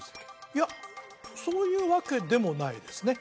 いやそういうわけでもないですね